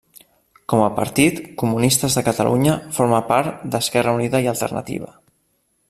Com a partit, Comunistes de Catalunya forma part d'Esquerra Unida i Alternativa.